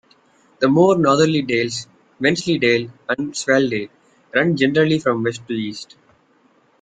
The more northerly dales, Wensleydale and Swaledale run generally from west to east.